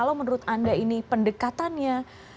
kalau menurut anda ini pendekatannya